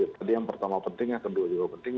tadi yang pertama penting yang kedua juga penting